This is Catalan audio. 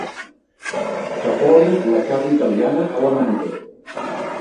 Capoli la carn italiana a la menuda.